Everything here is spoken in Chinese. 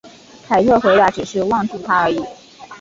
凯特回答只是望住他而已。